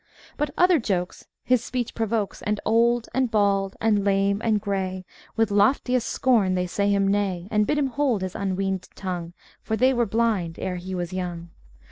But other Jokes His speech provokes; And old, and bald, and lame, and gray, With loftiest scorn they say him Nay; And bid him hold his unweaned tongue, For they were blind ere he was young.